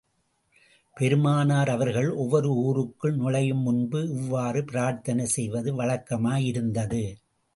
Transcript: பெருமானார் அவர்கள் ஒவ்வொரு ஊருக்குள் நுழையும் முன்பு இவ்வாறு பிரார்த்தனை செய்வது வழக்கமாயிருந்தது.